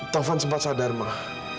taufan sempat sadar mak